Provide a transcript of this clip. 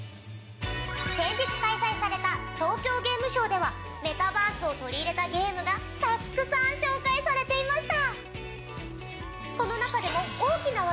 先日開催された東京ゲームショウではメタバースを取り入れたゲームがたくさん紹介されていました！